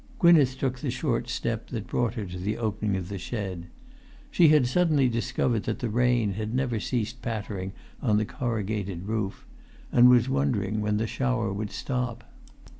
Gwynneth took the short step that brought her to the opening of the shed. She had suddenly discovered that the rain had never ceased pattering on the corrugated roof, and was wondering when the shower would stop.